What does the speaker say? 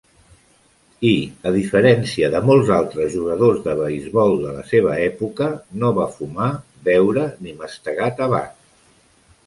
I, a diferència de molts altres jugadors de beisbol de la seva època, no va fumar, beure ni mastegar tabac.